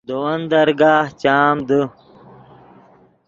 دے ون درگاہ چام دے